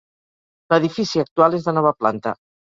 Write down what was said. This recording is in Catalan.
L'edifici actual és de nova planta.